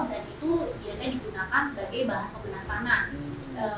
dan itu biasanya digunakan sebagai bahan penggunaan tanah